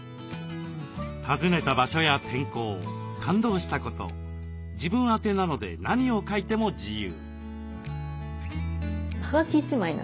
訪ねた場所や天候感動したこと自分宛なので何を書いても自由。